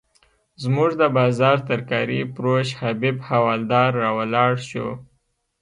زموږ د بازار ترکاري فروش حبیب حوالدار راولاړ شو.